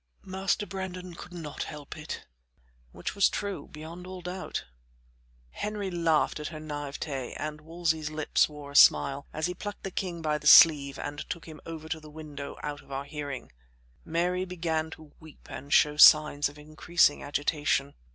Master Brandon could not help it." Which was true beyond all doubt. Henry laughed at her naïveté, and Wolsey's lips wore a smile, as he plucked the king by the sleeve and took him over to the window, out of our hearing. Mary began to weep and show signs of increasing agitation.